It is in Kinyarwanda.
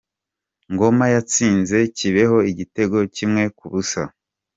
Ngoma yatsinze Kibeho igitego kimwe ku busa.